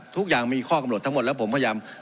ทุกอย่างมีข้อกำหนดทั้งหมดแล้วผมพยายาม